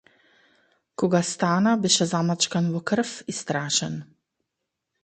Кога стана беше замачкан во крв и страшен.